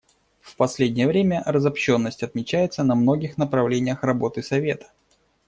В последнее время разобщенность отмечается на многих направлениях работы Совета.